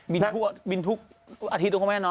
มีทุกอาทิตย์ตัวแม่น้อง